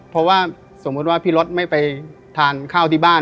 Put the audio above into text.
เพราะว่าสมมุติว่าพี่รถไม่ไปทานข้าวที่บ้าน